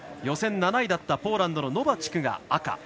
予選７位だったらポーランドのノバチクが赤。